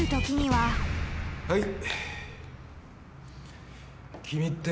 はい。